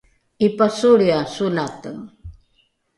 ’ipasolria solate